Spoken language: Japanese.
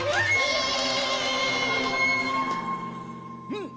うん！